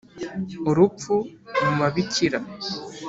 urupfu mu babikira